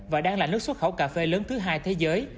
và đang là nước xuất khẩu cà phê lớn thứ hai thế giới